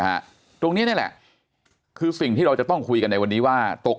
ตรงนี้นี่แหละคือสิ่งที่เราจะต้องคุยกันในวันนี้ว่าตก